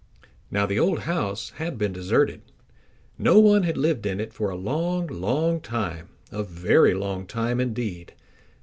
Now the old house had been deserted. No one had lived in it for a long, long time, a very long time indeed.